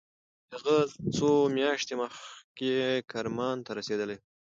هغه څو میاشتې مخکې کرمان ته رسېدلی و.